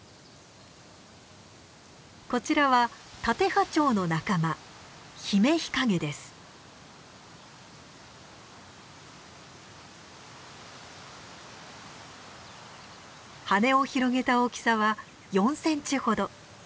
こちらはタテハチョウの仲間羽を広げた大きさは４センチほど。